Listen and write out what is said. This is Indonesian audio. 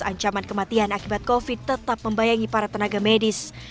ancaman kematian akibat covid tetap membayangi para tenaga medis